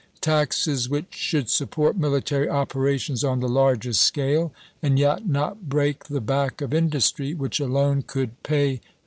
Taxes which should suppoi't military operations on the largest scale, and yet not break the back of industry, which alone could pay Vol.